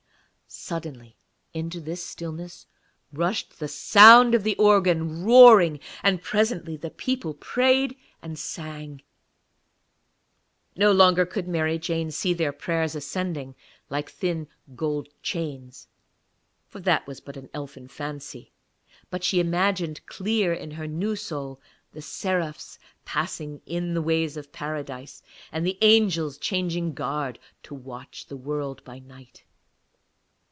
Suddenly into this stillness rushed the sound of the organ, roaring, and presently the people prayed and sang. No longer could Mary Jane see their prayers ascending like thin gold chains, for that was but an elfin fancy, but she imagined clear in her new soul the seraphs passing in the ways of Paradise, and the angels changing guard to watch the World by night.